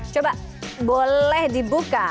coba boleh dibuka